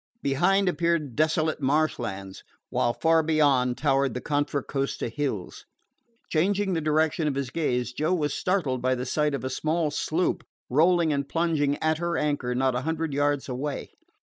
Behind appeared desolate marshlands, while far beyond towered the Contra Costa Hills. Changing the direction of his gaze, Joe was startled by the sight of a small sloop rolling and plunging at her anchor not a hundred yards away.